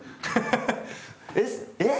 「えっええ！」